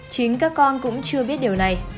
chính các con cũng chưa biết điều này